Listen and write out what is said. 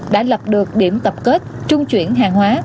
đã lập được điểm tập kết trung chuyển hàng hóa